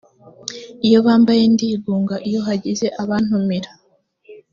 iyo mbabaye ndigunga iyo hagize abantumira